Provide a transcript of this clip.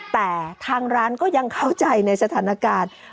แต่ทางร้านก็ยังเข้าใจในสถานการณ์